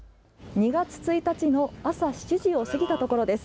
２月１日の朝７時を過ぎたところです。